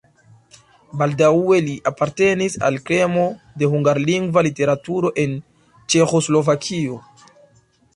Baldaŭe li apartenis al kremo de hungarlingva literaturo en Ĉeĥoslovakio.